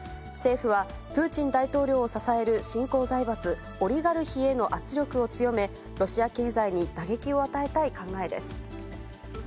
政府は、プーチン大統領を支える新興財閥、オリガルヒへの圧力を強め、ロシア経済に打撃を与えたい考えです。